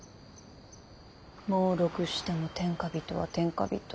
耄碌しても天下人は天下人。